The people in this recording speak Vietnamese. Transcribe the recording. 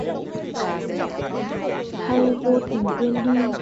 Hay vô tình quên đi